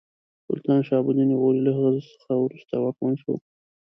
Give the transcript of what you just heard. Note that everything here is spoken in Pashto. سلطان شهاب الدین غوري له هغه څخه وروسته واکمن شو.